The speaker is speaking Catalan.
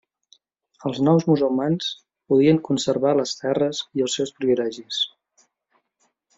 Els nous musulmans podien conservar les terres i els seus privilegis.